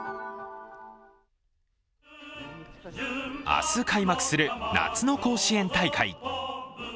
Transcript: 明日開幕する夏の甲子園大会。